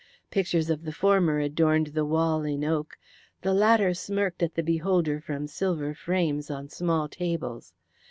Pictures of the former adorned the wall in oak; the latter smirked at the beholder from silver frames on small tables.